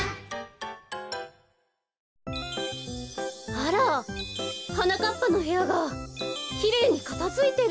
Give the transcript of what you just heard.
あらはなかっぱのへやがきれいにかたづいてる。